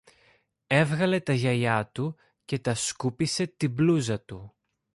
Έβγαλε τα γυαλιά του και τα σκούπισε τη μπλούζα του